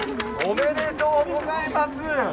おめでとうございます。